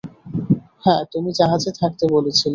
হ্যাঁ, তুমি জাহাজে থাকতে বলেছিলে।